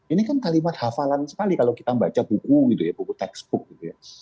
ini kan kalimat hafalan sekali kalau kita baca buku gitu ya buku textbook gitu ya